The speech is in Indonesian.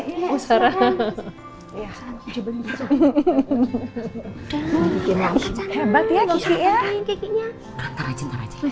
enggak usah bikinnya